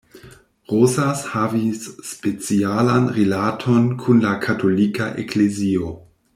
Rosas havis specialan rilaton kun la Katolika Eklezio.